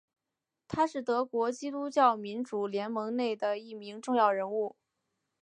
他是德国基督教民主联盟内的一名重要人物。